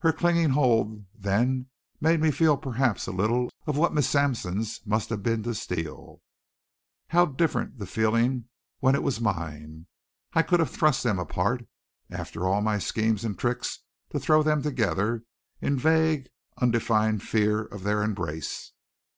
Her clinging hold then made me feel perhaps a little of what Miss Sampson's must have been to Steele. How different the feeling when it was mine! I could have thrust them apart, after all my schemes and tricks, to throw them together, in vague, undefined fear of their embrace.